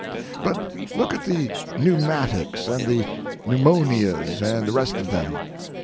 But look at the "pneumatics" and the "pneumonias" and the rest of them.